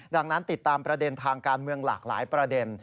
ดังนั้นติดตามประเด็นทางการเมืองหลากหลายประเด็น